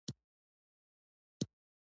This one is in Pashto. د نبي کريم ص وينا د باهدفه انسان ژوند ښيي.